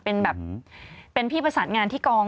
เป็นแบบเป็นพี่ประสานงานที่กอง